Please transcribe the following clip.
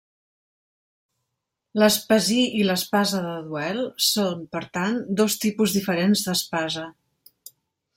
L'espasí i l'espasa de duel són, per tant, dos tipus diferents d'espasa.